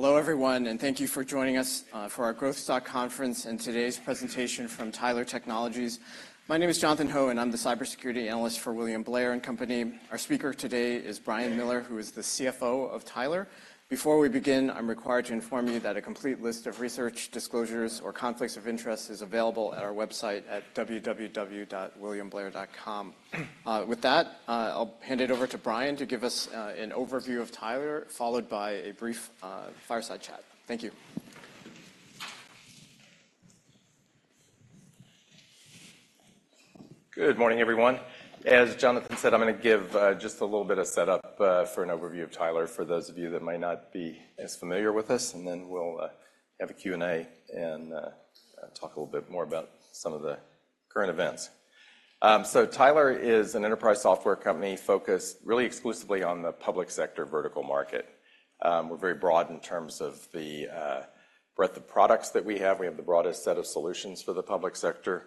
Hello, everyone, and thank you for joining us for our Growth Stock Conference and today's presentation from Tyler Technologies. My name is Jonathan Ho, and I'm the cybersecurity analyst for William Blair & Company. Our speaker today is Brian Miller, who is the CFO of Tyler. Before we begin, I'm required to inform you that a complete list of research disclosures or conflicts of interest is available at our website at www.williamblair.com. With that, I'll hand it over to Brian to give us an overview of Tyler, followed by a brief fireside chat. Thank you. Good morning, everyone. As Jonathan said, I'm gonna give just a little bit of setup for an overview of Tyler for those of you that might not be as familiar with us, and then we'll have a Q&A and talk a little bit more about some of the current events. So Tyler is an enterprise software company focused really exclusively on the public sector vertical market. We're very broad in terms of the breadth of products that we have. We have the broadest set of solutions for the public sector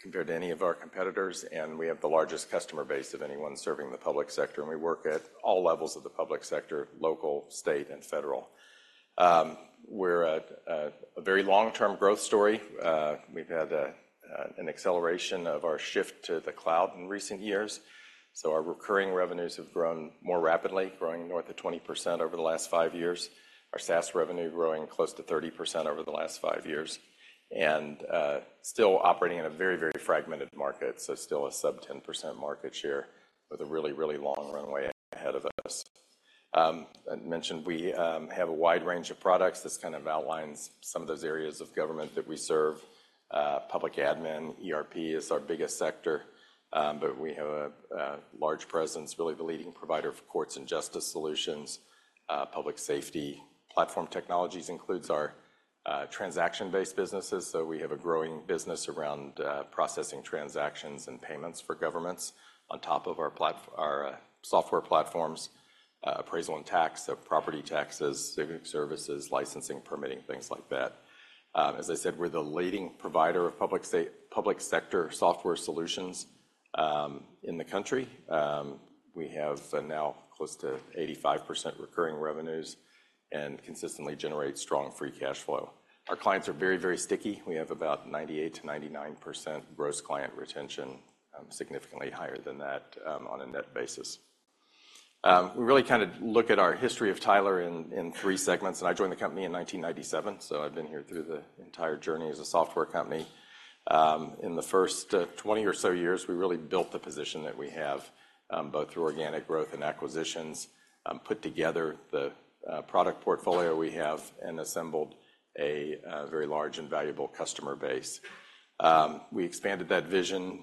compared to any of our competitors, and we have the largest customer base of anyone serving the public sector, and we work at all levels of the public sector: local, state, and federal. We're a very long-term growth story. We've had an acceleration of our shift to the cloud in recent years, so our recurring revenues have grown more rapidly, growing north of 20% over the last five years. Our SaaS revenue growing close to 30% over the last five years, and still operating in a very, very fragmented market, so still a sub-10% market share with a really, really long runway ahead of us. I mentioned we have a wide range of products. This kind of outlines some of those areas of government that we serve. Public admin, ERP is our biggest sector, but we have a large presence, really the leading provider for Courts & Justice solutions, Public Safety. Platform Technologies includes our transaction-based businesses, so we have a growing business around processing transactions and payments for governments on top of our software platforms, Appraisal & Tax, so property taxes, Civic Services, licensing, permitting, things like that. As I said, we're the leading provider of public sector software solutions in the country. We have now close to 85% recurring revenues and consistently generate strong free cash flow. Our clients are very, very sticky. We have about 98%-99% gross client retention, significantly higher than that on a net basis. We really kind of look at our history of Tyler in three segments, and I joined the company in 1997, so I've been here through the entire journey as a software company. In the first 20 or so years, we really built the position that we have, both through organic growth and acquisitions, put together the product portfolio we have and assembled a very large and valuable customer base. We expanded that vision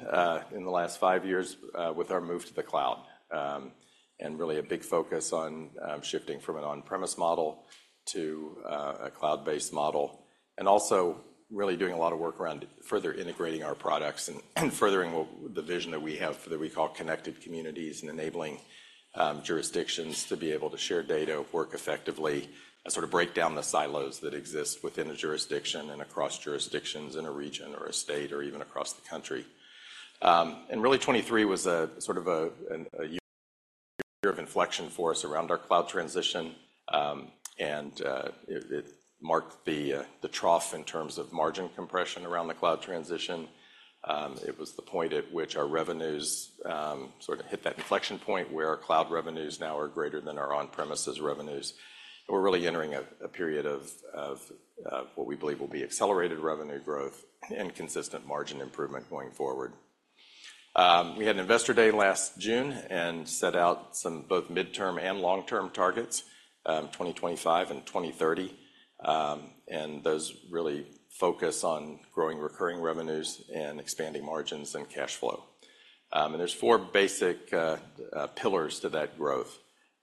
in the last five years with our move to the cloud, and really a big focus on shifting from an on-premise model to a cloud-based model, and also really doing a lot of work around further integrating our products and furthering what-- the vision that we have that we call Connected Communities and enabling jurisdictions to be able to share data, work effectively, and sort of break down the silos that exist within a jurisdiction and across jurisdictions in a region or a state or even across the country. And really, 2023 was a sort of a year of inflection for us around our cloud transition, and it marked the trough in terms of margin compression around the cloud transition. It was the point at which our revenues sort of hit that inflection point where our cloud revenues now are greater than our on-premises revenues, and we're really entering a period of what we believe will be accelerated revenue growth and consistent margin improvement going forward. We had an investor day last June and set out some both midterm and long-term targets, 2025 and 2030, and those really focus on growing recurring revenues and expanding margins and cash flow. And there's four basic pillars to that growth.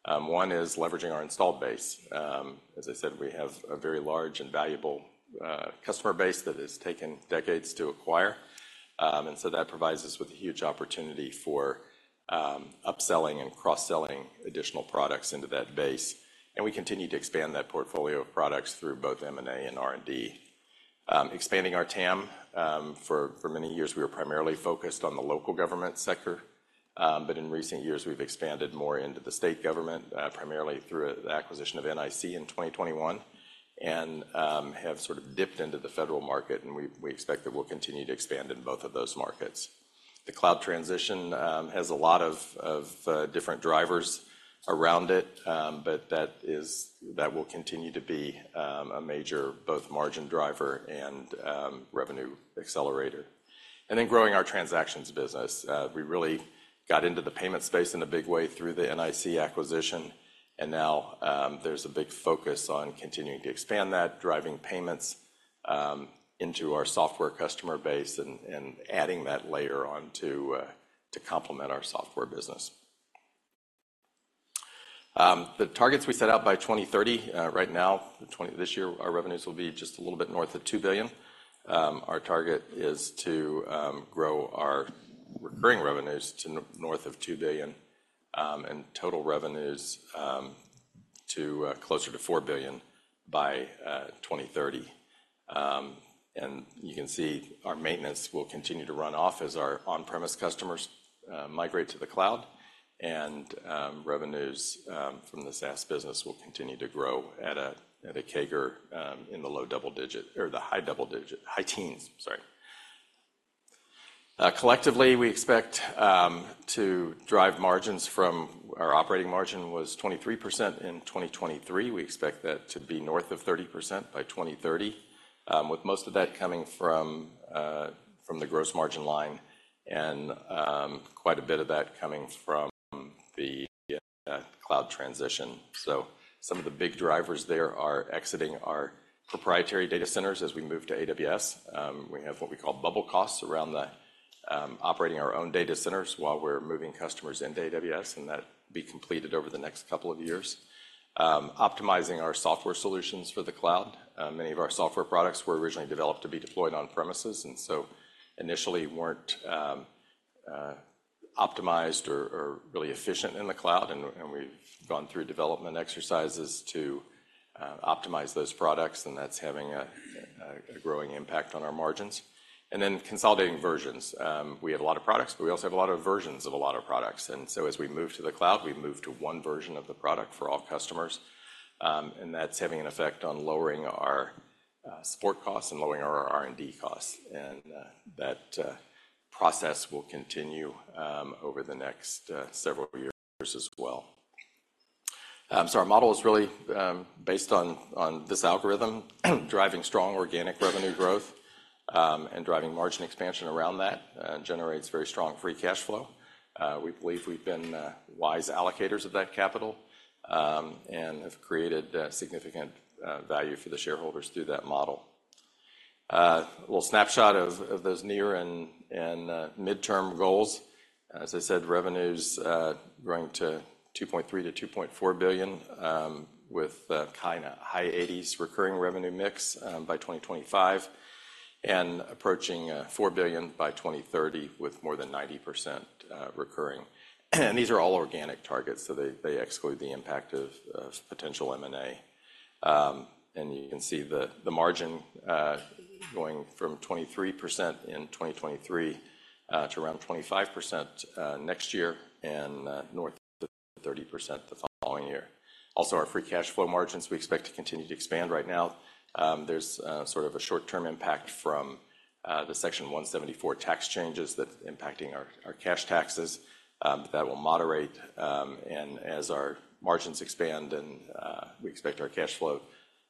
One is leveraging our installed base. As I said, we have a very large and valuable customer base that has taken decades to acquire, and so that provides us with a huge opportunity for upselling and cross-selling additional products into that base, and we continue to expand that portfolio of products through both M&A and R&D. Expanding our TAM. For many years, we were primarily focused on the local government sector, but in recent years, we've expanded more into the state government, primarily through the acquisition of NIC in 2021, and have sort of dipped into the federal market, and we expect that we'll continue to expand in both of those markets. The cloud transition has a lot of different drivers around it, but that will continue to be a major both margin driver and revenue accelerator. And then growing our transactions business. We really got into the payment space in a big way through the NIC acquisition, and now there's a big focus on continuing to expand that, driving payments into our software customer base and adding that layer on to complement our software business. The targets we set out by 2030, right now, this year, our revenues will be just a little bit north of $2 billion. Our target is to grow our recurring revenues to north of $2 billion, and total revenues to closer to $4 billion by 2030. And you can see our maintenance will continue to run off as our on-premise customers migrate to the cloud, and revenues from the SaaS business will continue to grow at a CAGR in the low double digit or the high double digit, high teens, sorry. Collectively, we expect to drive margins from our operating margin was 23% in 2023. We expect that to be north of 30% by 2030, with most of that coming from the gross margin line and quite a bit of that coming from the cloud transition. So some of the big drivers there are exiting our proprietary data centers as we move to AWS. We have what we call bubble costs around the operating our own data centers while we're moving customers into AWS, and that be completed over the next couple of years. Optimizing our software solutions for the cloud. Many of our software products were originally developed to be deployed on premises, and so initially weren't optimized or really efficient in the cloud, and we've gone through development exercises to optimize those products, and that's having a growing impact on our margins. And then consolidating versions. We have a lot of products, but we also have a lot of versions of a lot of products, and so as we move to the cloud, we move to one version of the product for all customers. And that's having an effect on lowering our support costs and lowering our R&D costs, and that process will continue over the next several years as well. So our model is really based on this algorithm, driving strong organic revenue growth, and driving margin expansion around that generates very strong free cash flow. We believe we've been wise allocators of that capital, and have created significant value for the shareholders through that model. A little snapshot of those near and midterm goals. As I said, revenues growing to $2.3 billion-$2.4 billion, with kinda high 80s% recurring revenue mix, by 2025, and approaching $4 billion by 2030, with more than 90% recurring. These are all organic targets, so they, they exclude the impact of, of potential M&A. And you can see the, the margin going from 23% in 2023 to around 25% next year and north of 30% the following year. Also, our free cash flow margins, we expect to continue to expand. Right now, there's sort of a short-term impact from the Section 174 tax changes that's impacting our cash taxes. That will moderate, and as our margins expand and we expect our cash flow,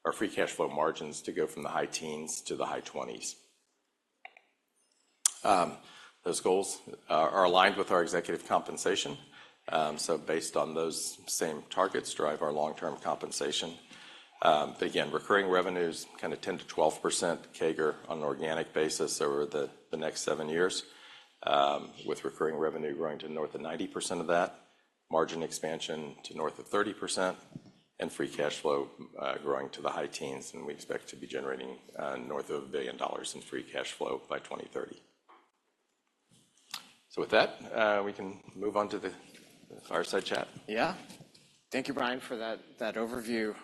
our free cash flow margins to go from the high teens to the high 20s%. Those goals are aligned with our executive compensation. So based on those same targets, drive our long-term compensation. Again, recurring revenues, kind of 10%-12% CAGR on an organic basis over the next seven years, with recurring revenue growing to north of 90% of that, margin expansion to north of 30%, and free cash flow growing to the high teens, and we expect to be generating north of $1 billion in free cash flow by 2030. So with that, we can move on to the fireside chat. Yeah. Thank you, Brian, for that, that overview.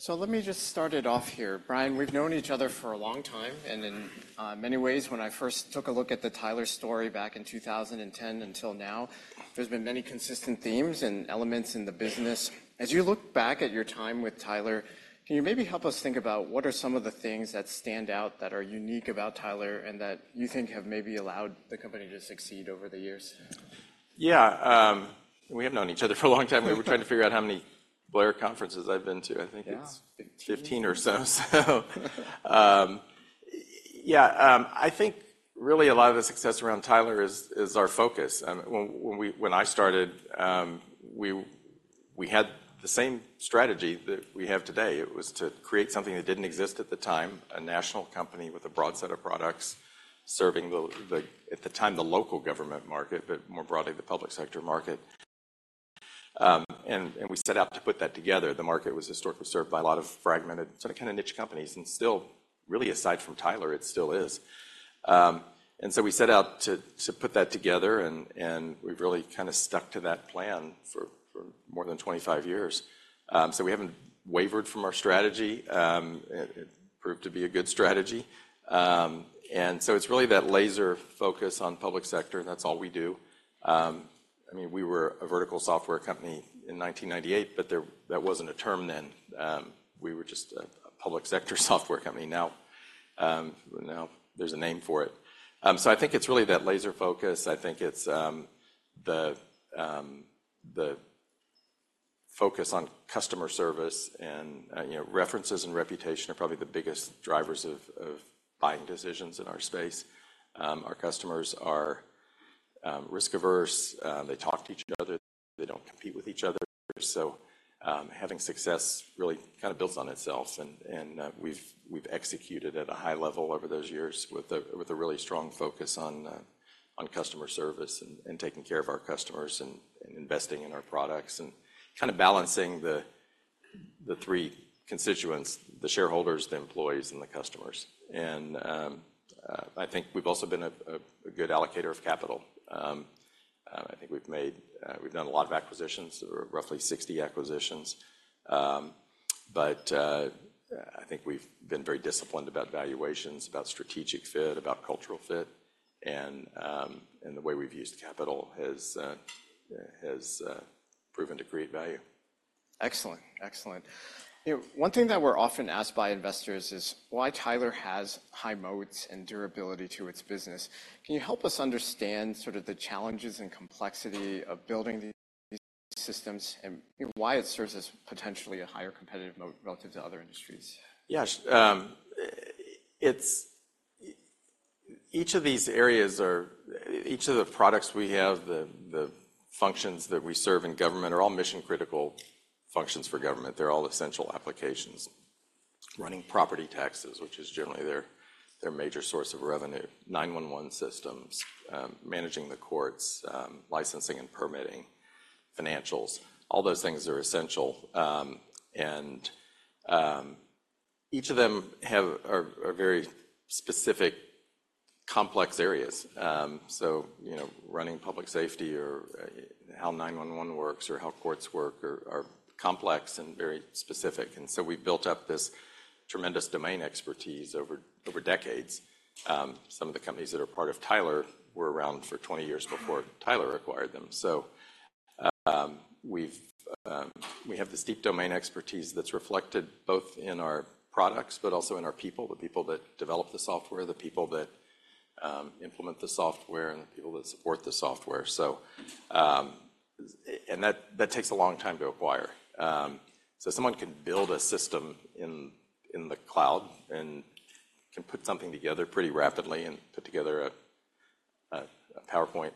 So let me just start it off here. Brian, we've known each other for a long time, and in many ways, when I first took a look at the Tyler story back in 2010 until now, there's been many consistent themes and elements in the business. As you look back at your time with Tyler, can you maybe help us think about what are some of the things that stand out that are unique about Tyler and that you think have maybe allowed the company to succeed over the years? Yeah, we have known each other for a long time. We were trying to figure out how many Blair conferences I've been to. Yeah. I think it's 15 or so, so. Yeah, I think really a lot of the success around Tyler is our focus. When I started, we had the same strategy that we have today. It was to create something that didn't exist at the time, a national company with a broad set of products, serving the, at the time, the local government market, but more broadly, the public sector market. And we set out to put that together. The market was historically served by a lot of fragmented, sort of, kind of niche companies, and still, really, aside from Tyler, it still is. And so we set out to put that together, and we've really kind of stuck to that plan for more than 25 years. So we haven't wavered from our strategy. It proved to be a good strategy. And so it's really that laser focus on public sector, and that's all we do. I mean, we were a vertical software company in 1998, but that wasn't a term then. We were just a public sector software company. Now, now there's a name for it. So I think it's really that laser focus. I think it's the focus on customer service and, you know, references and reputation are probably the biggest drivers of buying decisions in our space. Our customers are risk-averse. They talk to each other. They don't compete with each other. So, having success really kind of builds on itself, and we've executed at a high level over those years with a really strong focus on customer service and taking care of our customers and investing in our products and kind of balancing the three constituents: the shareholders, the employees, and the customers. I think we've also been a good allocator of capital. I think we've done a lot of acquisitions, or roughly 60 acquisitions. But I think we've been very disciplined about valuations, about strategic fit, about cultural fit, and the way we've used capital has proven to create value. Excellent, excellent. You know, one thing that we're often asked by investors is why Tyler has high moats and durability to its business. Can you help us understand sort of the challenges and complexity of building these, these systems and why it serves as potentially a higher competitive moat relative to other industries? Yes. It's each of these areas are each of the products we have, the functions that we serve in government are all mission-critical functions for government. They're all essential applications. Running property taxes, which is generally their major source of revenue, 911 systems, managing the courts, licensing and permitting, financials, all those things are essential. And each of them have, are very specific, complex areas. So, you know, running public safety or how 911 works or how courts work are complex and very specific. And so we've built up this tremendous domain expertise over decades. Some of the companies that are part of Tyler were around for 20 years before Tyler acquired them. So, we've we have this deep domain expertise that's reflected both in our products but also in our people, the people that develop the software, the people that implement the software, and the people that support the software. So, and that, that takes a long time to acquire. So someone can build a system in the cloud and can put something together pretty rapidly and put together a PowerPoint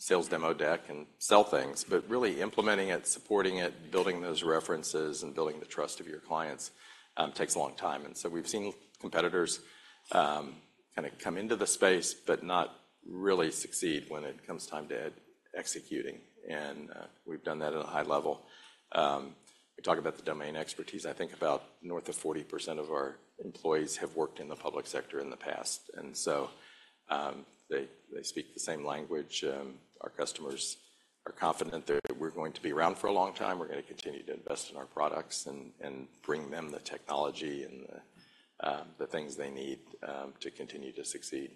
sales demo deck and sell things, but really implementing it, supporting it, building those references, and building the trust of your clients, takes a long time. And so we've seen competitors, kinda come into the space but not really succeed when it comes time to executing, and, we've done that at a high level. We talk about the domain expertise. I think about north of 40% of our employees have worked in the public sector in the past, and so, they, they speak the same language. Our customers are confident that we're going to be around for a long time. We're gonna continue to invest in our products and, and bring them the technology and the, the things they need, to continue to succeed.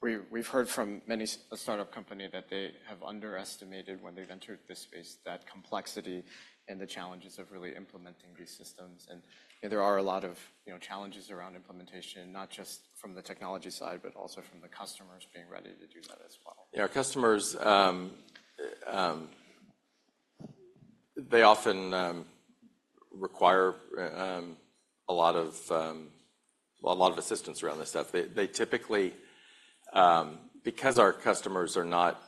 Yeah. We've heard from many a startup company that they have underestimated when they've entered this space, that complexity and the challenges of really implementing these systems. And, you know, there are a lot of, you know, challenges around implementation, not just from the technology side, but also from the customers being ready to do that as well. Yeah, our customers, they often require a lot of, well, a lot of assistance around this stuff. They typically... Because our customers are not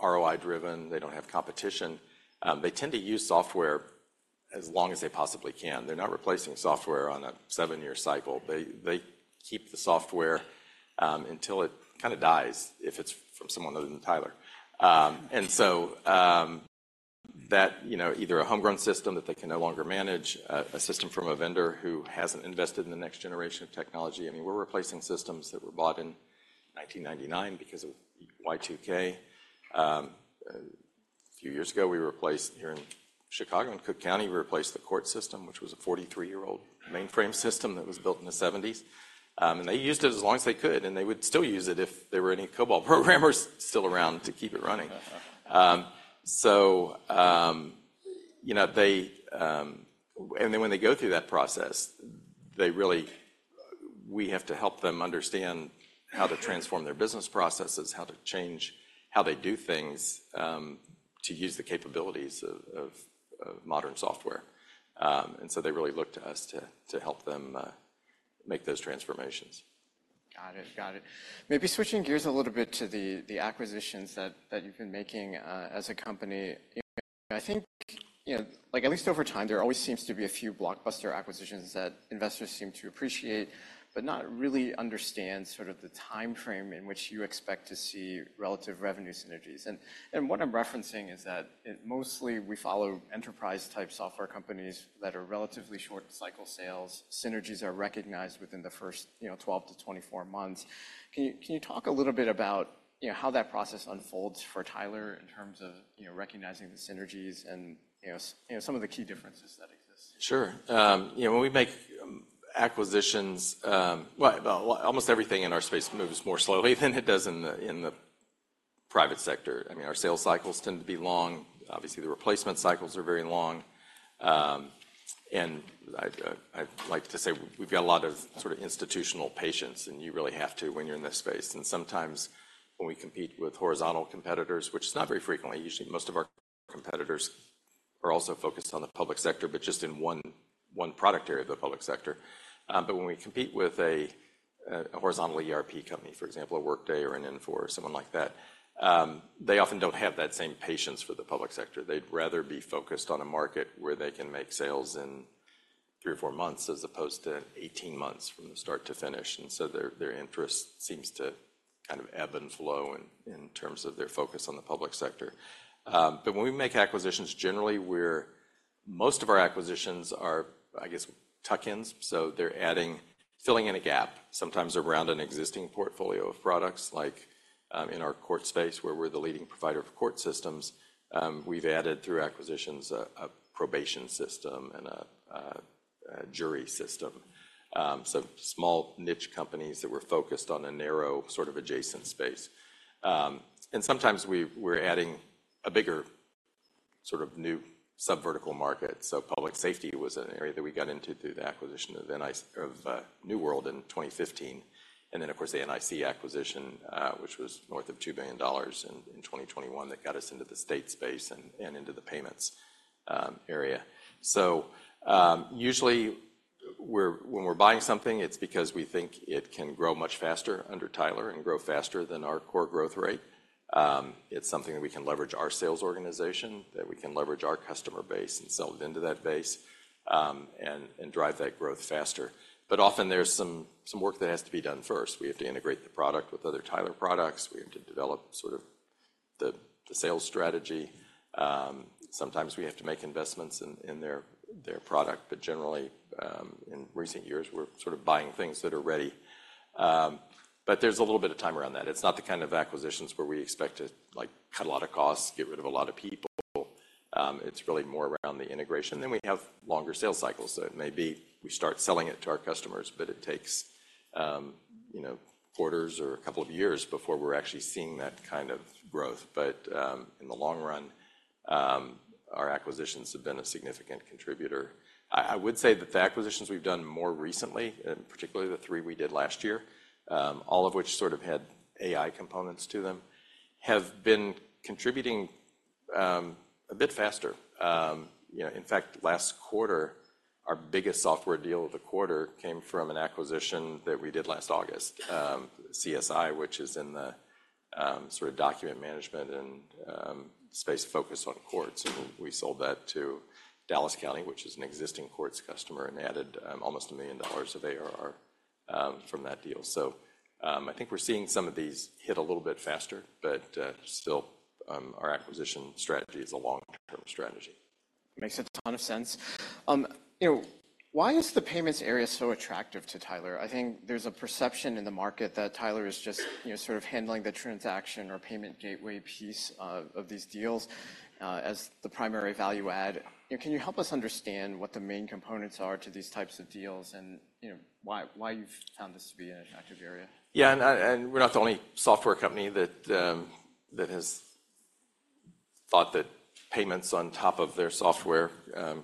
ROI-driven, they don't have competition, they tend to use software as long as they possibly can. They're not replacing software on a seven-year cycle. They keep the software until it kinda dies, if it's from someone other than Tyler. And so, that, you know, either a homegrown system that they can no longer manage, a system from a vendor who hasn't invested in the next generation of technology. I mean, we're replacing systems that were bought in 1999 because of Y2K. A few years ago, we replaced, here in Chicago and Cook County, we replaced the court system, which was a 43-year-old mainframe system that was built in the 1970s. They used it as long as they could, and they would still use it if there were any COBOL programmers still around to keep it running. You know, and then when they go through that process, they really, we have to help them understand how to transform their business processes, how to change how they do things, to use the capabilities of modern software. So they really look to us to help them make those transformations. Got it. Got it. Maybe switching gears a little bit to the acquisitions that you've been making as a company. I think, you know, like, at least over time, there always seems to be a few blockbuster acquisitions that investors seem to appreciate but not really understand sort of the timeframe in which you expect to see relative revenue synergies. And what I'm referencing is that it mostly we follow enterprise-type software companies that are relatively short cycle sales. Synergies are recognized within the first, you know, 12-24 months. Can you talk a little bit about, you know, how that process unfolds for Tyler in terms of, you know, recognizing the synergies and, you know, some of the key differences that exist? Sure. You know, when we make acquisitions, well, almost everything in our space moves more slowly than it does in the private sector. I mean, our sales cycles tend to be long. Obviously, the replacement cycles are very long. And I'd like to say we've got a lot of sort of institutional patience, and you really have to when you're in this space. And sometimes when we compete with horizontal competitors, which is not very frequently, usually most of our competitors are also focused on the public sector, but just in one product area of the public sector. But when we compete with a horizontal ERP company, for example, a Workday or an Infor, someone like that, they often don't have that same patience for the public sector. They'd rather be focused on a market where they can make sales in three or four months as opposed to 18 months from the start to finish. And so their interest seems to kind of ebb and flow in terms of their focus on the public sector. But when we make acquisitions, generally, we're—Most of our acquisitions are, I guess, tuck-ins, so they're adding, filling in a gap, sometimes around an existing portfolio of products, like, in our court space, where we're the leading provider of court systems. We've added, through acquisitions, a probation system and a jury system. So small niche companies that were focused on a narrow sort of adjacent space. And sometimes we're adding a bigger sort of new subvertical market. So public safety was an area that we got into through the acquisition of NIC—of New World in 2015, and then, of course, the NIC acquisition, which was north of $2 billion in 2021, that got us into the state space and into the payments area. So usually, we're, when we're buying something, it's because we think it can grow much faster under Tyler and grow faster than our core growth rate. It's something that we can leverage our sales organization, that we can leverage our customer base and sell it into that base, and drive that growth faster. But often there's some work that has to be done first. We have to integrate the product with other Tyler products. We have to develop the sales strategy. Sometimes we have to make investments in their product, but generally, in recent years, we're sort of buying things that are ready. There's a little bit of time around that. It's not the kind of acquisitions where we expect to, like, cut a lot of costs, get rid of a lot of people. It's really more around the integration. Then we have longer sales cycles, so it may be we start selling it to our customers, but it takes, you know, quarters or a couple of years before we're actually seeing that kind of growth. In the long run, our acquisitions have been a significant contributor. I would say that the acquisitions we've done more recently, and particularly the three we did last year, all of which sort of had AI components to them, have been contributing a bit faster. You know, in fact, last quarter, our biggest software deal of the quarter came from an acquisition that we did last August, CSI, which is in the sort of document management and space focused on courts, and we sold that to Dallas County, which is an existing courts customer, and added almost $1 million of ARR from that deal. So, I think we're seeing some of these hit a little bit faster, but still, our acquisition strategy is a long-term strategy. Makes a ton of sense. You know, why is the payments area so attractive to Tyler? I think there's a perception in the market that Tyler is just, you know, sort of handling the transaction or payment gateway piece of these deals as the primary value add. Can you help us understand what the main components are to these types of deals and, you know, why you've found this to be an attractive area? Yeah, and we're not the only software company that has thought that payments on top of their software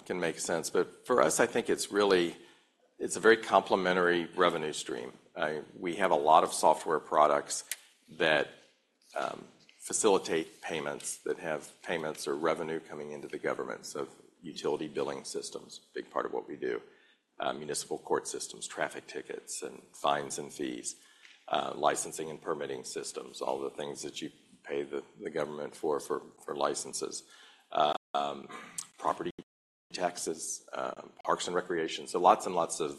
can make sense. But for us, I think it's really, it's a very complementary revenue stream. We have a lot of software products that facilitate payments, that have payments or revenue coming into the government. So utility billing systems, big part of what we do. Municipal court systems, traffic tickets, and fines and fees, licensing and permitting systems, all the things that you pay the government for licenses, property taxes, parks and recreation. So lots and lots of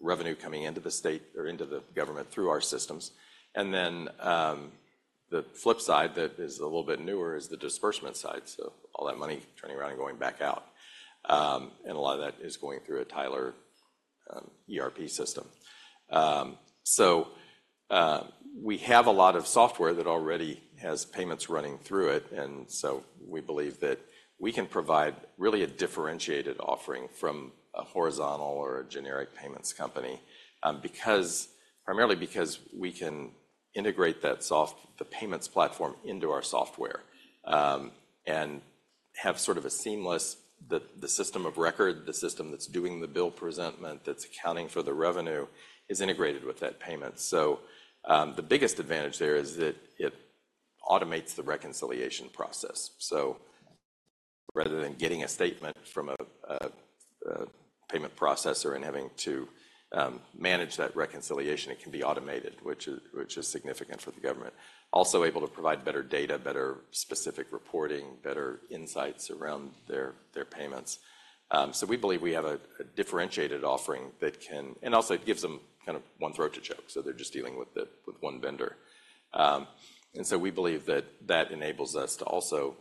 revenue coming into the state or into the government through our systems. And then, the flip side that is a little bit newer is the disbursement side, so all that money turning around and going back out, and a lot of that is going through a Tyler ERP system. So, we have a lot of software that already has payments running through it, and so we believe that we can provide really a differentiated offering from a horizontal or a generic payments company, because, primarily because we can integrate that soft, the payments platform into our software, and have sort of a seamless, the system of record, the system that's doing the bill presentment, that's accounting for the revenue, is integrated with that payment. So, the biggest advantage there is that it automates the reconciliation process. So rather than getting a statement from a payment processor and having to manage that reconciliation, it can be automated, which is significant for the government. Also able to provide better data, better specific reporting, better insights around their payments. So we believe we have a differentiated offering that can—and also it gives them kind of one throat to choke, so they're just dealing with the with one vendor. And so we believe that that enables us to also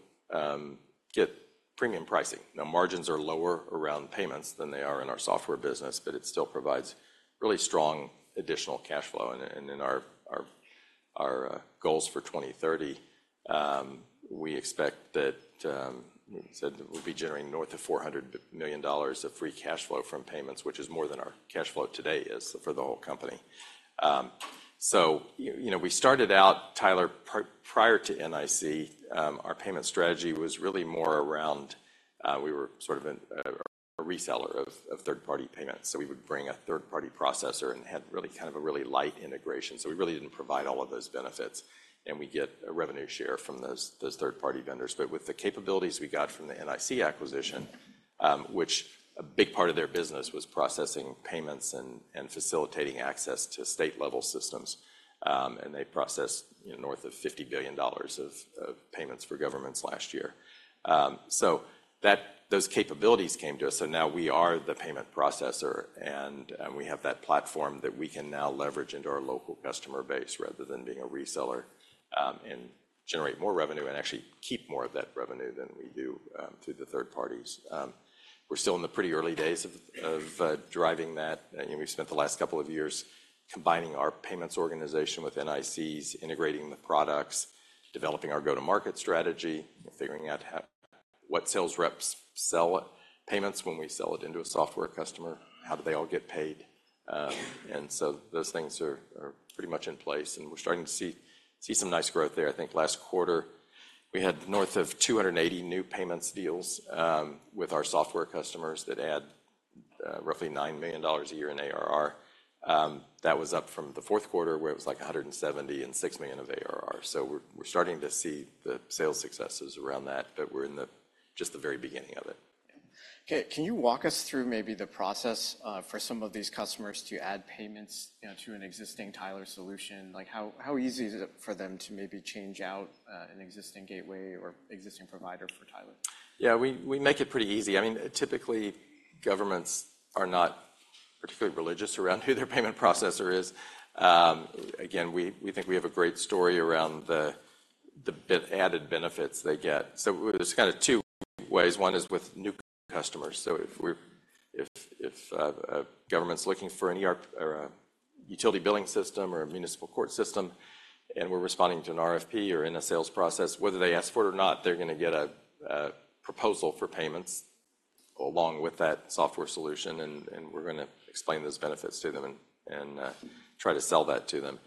get premium pricing. Now, margins are lower around payments than they are in our software business, but it still provides really strong additional cash flow. In our goals for 2030, we expect that we'll be generating north of $400 million of free cash flow from payments, which is more than our cash flow today is for the whole company. So, you know, we started out Tyler prior to NIC. Our payment strategy was really more around, we were sort of a reseller of third-party payments, so we would bring a third-party processor and had really kind of a really light integration, so we really didn't provide all of those benefits, and we get a revenue share from those third-party vendors. But with the capabilities we got from the NIC acquisition, which a big part of their business was processing payments and facilitating access to state-level systems, and they processed, you know, north of $50 billion of payments for governments last year. So that, those capabilities came to us, so now we are the payment processor, and we have that platform that we can now leverage into our local customer base rather than being a reseller, and generate more revenue and actually keep more of that revenue than we do through the third parties. We're still in the pretty early days of driving that. You know, we've spent the last couple of years-... Combining our payments organization with NIC's, integrating the products, developing our go-to-market strategy, and figuring out how, what sales reps sell payments when we sell it into a software customer, how do they all get paid? And so those things are pretty much in place, and we're starting to see some nice growth there. I think last quarter, we had north of 280 new payments deals with our software customers that add roughly $9 million a year in ARR. That was up from the fourth quarter, where it was, like, $176 million of ARR. So we're starting to see the sales successes around that, but we're in just the very beginning of it. Okay, can you walk us through maybe the process for some of these customers to add payments, you know, to an existing Tyler solution? Like, how easy is it for them to maybe change out an existing gateway or existing provider for Tyler? Yeah, we make it pretty easy. I mean, typically, governments are not particularly religious around who their payment processor is. Again, we think we have a great story around the added benefits they get. So there's kind of two ways. One is with new customers. So if a government's looking for an ERP or a utility billing system or a municipal court system, and we're responding to an RFP or in a sales process, whether they ask for it or not, they're gonna get a proposal for payments along with that software solution, and we're gonna explain those benefits to them and try to sell that to them.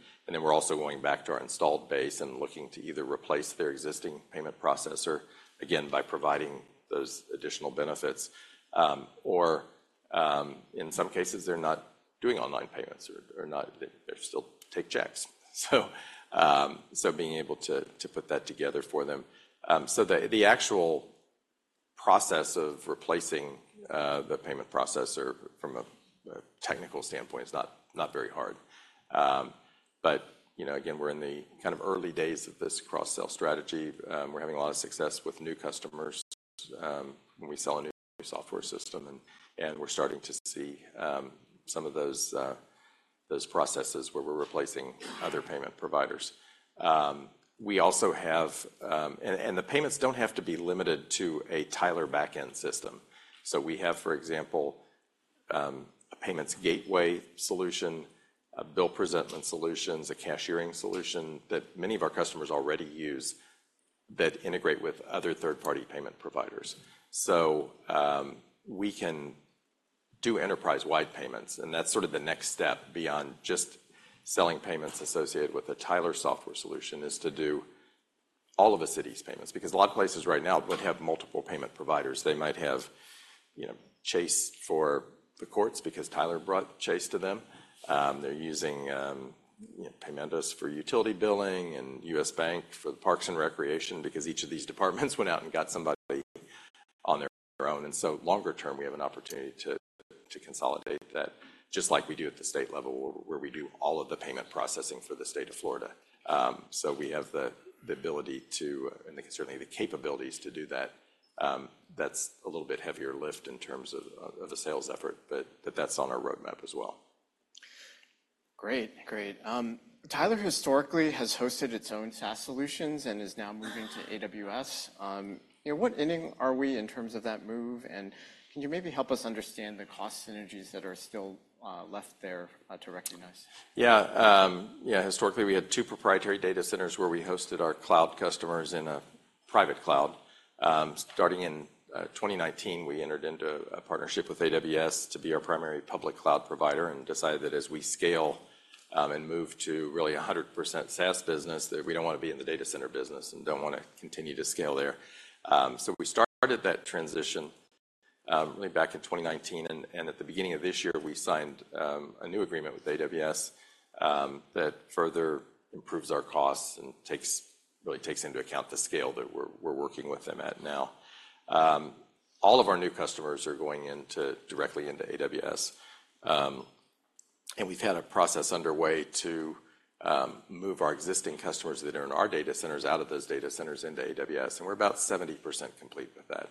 We're also going back to our installed base and looking to either replace their existing payment processor, again, by providing those additional benefits, or, in some cases, they're not doing online payments or not. They still take checks. So, being able to put that together for them. The actual process of replacing the payment processor from a technical standpoint is not very hard. But, you know, again, we're in the kind of early days of this cross-sell strategy. We're having a lot of success with new customers when we sell a new software system, and we're starting to see some of those processes where we're replacing other payment providers. We also have, and the payments don't have to be limited to a Tyler back-end system. So we have, for example, a payments gateway solution, a bill presentment solutions, a cashiering solution that many of our customers already use that integrate with other third-party payment providers. So, we can do enterprise-wide payments, and that's sort of the next step beyond just selling payments associated with the Tyler software solution, is to do all of a city's payments. Because a lot of places right now would have multiple payment providers. They might have, you know, Chase for the courts because Tyler brought Chase to them. They're using, you know, Paymentus for utility billing and U.S. Bank for the parks and recreation because each of these departments went out and got somebody on their own. Longer term, we have an opportunity to consolidate that, just like we do at the state level, where we do all of the payment processing for the state of Florida. We have the ability to, and certainly the capabilities to do that. That's a little bit heavier lift in terms of the sales effort, but that's on our roadmap as well. Great, great. Tyler historically has hosted its own SaaS solutions and is now moving to AWS. You know, what inning are we in terms of that move? And can you maybe help us understand the cost synergies that are still left there to recognize? Yeah, historically, we had two proprietary data centers where we hosted our cloud customers in a private cloud. Starting in 2019, we entered into a partnership with AWS to be our primary public cloud provider and decided that as we scale, and move to really a 100% SaaS business, that we don't want to be in the data center business and don't wanna continue to scale there. So we started that transition, really back in 2019, and at the beginning of this year, we signed a new agreement with AWS that further improves our costs and really takes into account the scale that we're working with them at now. All of our new customers are going directly into AWS. We've had a process underway to move our existing customers that are in our data centers out of those data centers into AWS, and we're about 70% complete with that.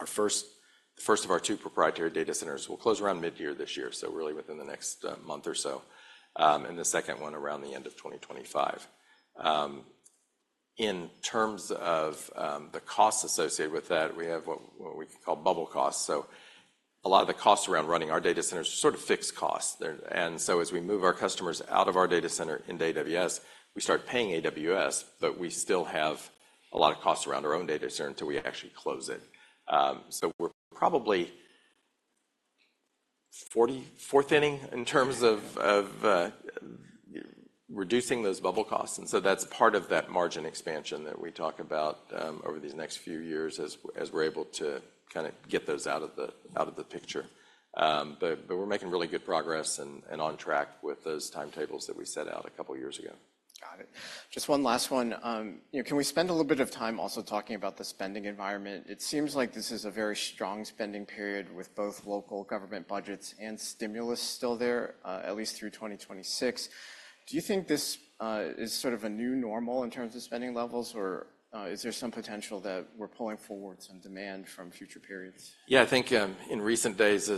Our first, the first of our two proprietary data centers will close around mid-year this year, so really within the next month or so, and the second one around the end of 2025. In terms of the costs associated with that, we have what we call bubble costs. So a lot of the costs around running our data centers are sort of fixed costs. And so as we move our customers out of our data center into AWS, we start paying AWS, but we still have a lot of costs around our own data center until we actually close it. So we're probably fourth inning in terms of, of, reducing those bubble costs, and so that's part of that margin expansion that we talk about, over these next few years as we're able to kinda get those out of the picture. But we're making really good progress and on track with those timetables that we set out a couple of years ago. Got it. Just one last one. You know, can we spend a little bit of time also talking about the spending environment? It seems like this is a very strong spending period with both local government budgets and stimulus still there, at least through 2026. Do you think this is sort of a new normal in terms of spending levels, or is there some potential that we're pulling forward some demand from future periods? Yeah, I think, in recent days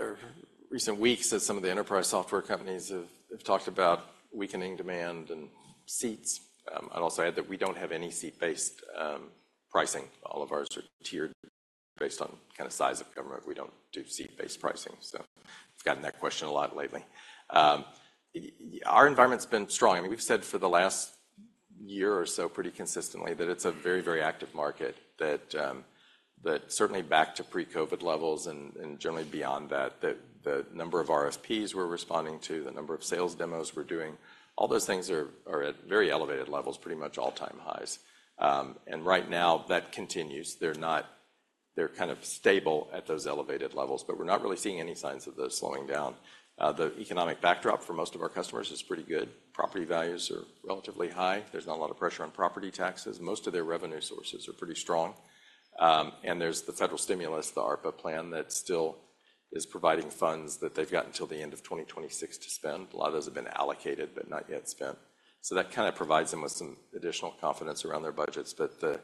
or recent weeks, as some of the enterprise software companies have talked about weakening demand and seats. I'd also add that we don't have any seat-based pricing. All of ours are tiered based on kind of size of government. We don't do seat-based pricing. So I've gotten that question a lot lately. Our environment's been strong. I mean, we've said for the last year or so pretty consistently that it's a very, very active market, that certainly back to pre-COVID levels and generally beyond that, that the number of RFPs we're responding to, the number of sales demos we're doing, all those things are at very elevated levels, pretty much all-time highs. And right now, that continues. They're kind of stable at those elevated levels, but we're not really seeing any signs of those slowing down. The economic backdrop for most of our customers is pretty good. Property values are relatively high. There's not a lot of pressure on property taxes. Most of their revenue sources are pretty strong. And there's the federal stimulus, the ARPA plan, that still is providing funds that they've got until the end of 2026 to spend. A lot of those have been allocated but not yet spent. So that kinda provides them with some additional confidence around their budgets. And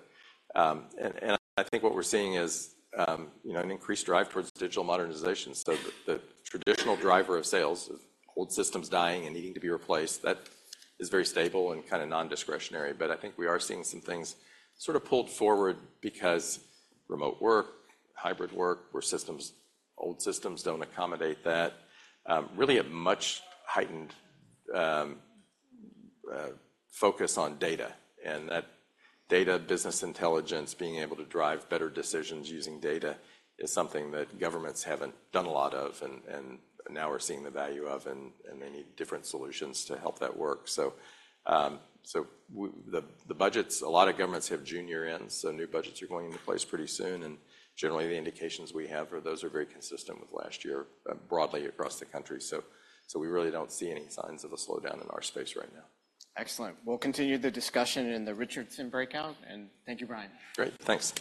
I think what we're seeing is, you know, an increased drive towards digital modernization. So the traditional driver of sales, of old systems dying and needing to be replaced, that is very stable and kinda non-discretionary. But I think we are seeing some things sort of pulled forward because remote work, hybrid work, where systems, old systems don't accommodate that. Really a much heightened focus on data, and that data, business intelligence, being able to drive better decisions using data is something that governments haven't done a lot of, and now are seeing the value of, and they need different solutions to help that work. So, the budgets, a lot of governments have fiscal year ends, so new budgets are going into place pretty soon, and generally, the indications we have for those are very consistent with last year, broadly across the country. So, we really don't see any signs of a slowdown in our space right now. Excellent. We'll continue the discussion in the Richardson breakout, and thank you, Brian. Great. Thanks.